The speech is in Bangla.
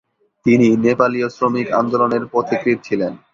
তিনি নেপালীয় শ্রমিক আন্দোলনের পথিকৃৎ ছিলেন।